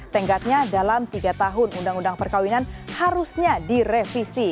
tenggatnya dalam tiga tahun undang undang perkawinan harusnya direvisi